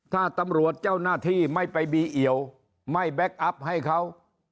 ถ้าตำรวจเจ้าหน้าที่ไม่ไปบีเอี่ยวไม่แบ็คอัพให้เขา